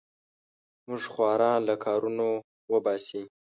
موږ خواران له کارونو وباسې.